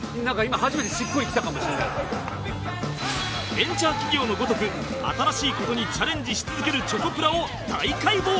ベンチャー企業のごとく新しい事にチャレンジし続けるチョコプラを大解剖！